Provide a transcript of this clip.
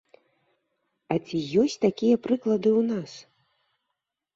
А ці ёсць такія прыклады ў нас?